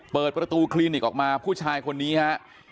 เปิดประตูคลินิกออกมาผู้ชายคนนี้ฮะ